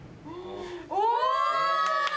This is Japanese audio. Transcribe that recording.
お！